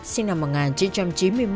sinh năm một nghìn chín trăm chín mươi một